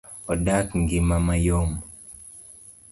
Odagi ng'ima ma yom.